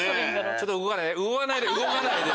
ちょっと動かない動かないで。